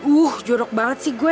uh jorok banget sih gue